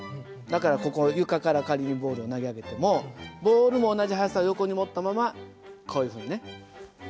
だから床から仮にボールを投げ上げてもボールも同じ速さで横に持ったままこういうふうにね。